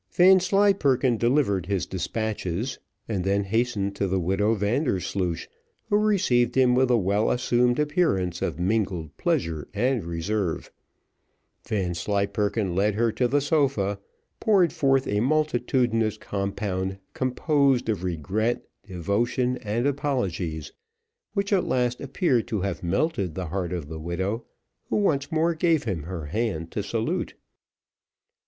Vanslyperken delivered his despatches, and then hastened to the widow Vandersloosh, who received him with a well assumed appearance of mingled pleasure and reserve. Vanslyperken led her to the sofa, poured forth a multitudinous compound composed of regret, devotion, and apologies, which at last appeared to have melted the heart of the widow, who once more gave him her hand to salute.